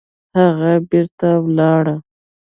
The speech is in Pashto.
هغه بېرته ولاړه